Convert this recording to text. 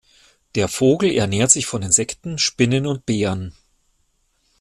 Der Vogel ernährt sich von Insekten, Spinnen und Beeren.